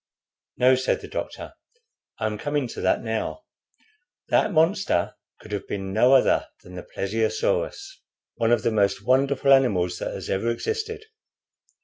"No," said the doctor, "I am coming to that now. That monster could have been no other than the Plesiosaurus, one of the most wonderful animals that has ever existed.